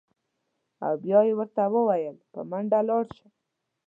او بیا یې ورته ویل: په منډه لاړ شه.